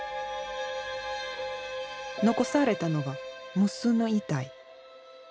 残されたのは無数の遺体。